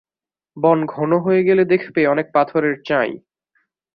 বন ঘন হয়ে গেলে দেখবে অনেক পাথরের চাঁই।